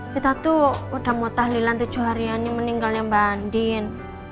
kita tuh udah mau tahlilan tujuh harian ini meninggalnya mbak andin